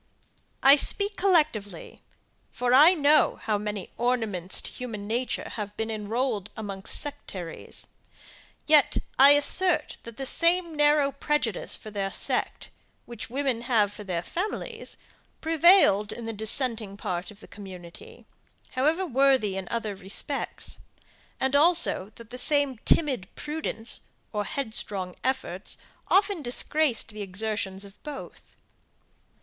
I speak collectively, for I know how many ornaments to human nature have been enrolled amongst sectaries; yet, I assert, that the same narrow prejudice for their sect, which women have for their families, prevailed in the dissenting part of the community, however worthy in other respects; and also that the same timid prudence, or headstrong efforts, often disgraced the exertions of both.